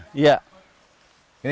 ini kita tanam ya pak ya berarti ya